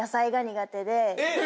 えっ？